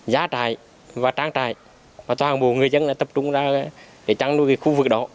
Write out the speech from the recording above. giá trại và trang trại toàn bộ người dân đã tập trung ra để chăn nuôi khu vực đó